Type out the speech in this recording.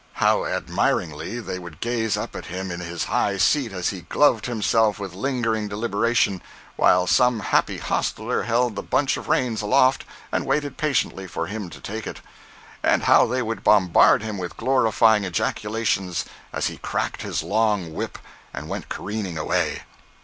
How admiringly they would gaze up at him in his high seat as he gloved himself with lingering deliberation, while some happy hostler held the bunch of reins aloft, and waited patiently for him to take it! And how they would bombard him with glorifying ejaculations as he cracked his long whip and went careering away.